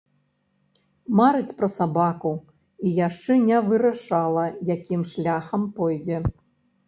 Марыць пра сабаку, і яшчэ не вырашыла, якім шляхам пойдзе.